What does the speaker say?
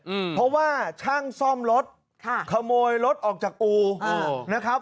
อืมเพราะว่าช่างซ่อมรถค่ะขโมยรถออกจากอู่นะครับ